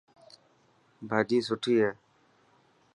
ڀاڄي سٺي هي.